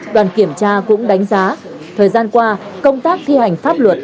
đoàn kiểm tra cũng đánh giá thời gian qua công tác thi hành pháp luật